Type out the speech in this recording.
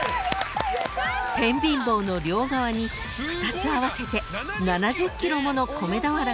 ［てんびん棒の両側に２つ合わせて７０ｋｇもの米俵がつるされ